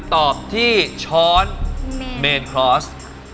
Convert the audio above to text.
ตอบที่ช้อนเมนคลอส